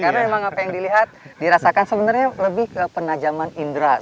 karena memang apa yang dilihat dirasakan sebenarnya lebih ke penajaman indera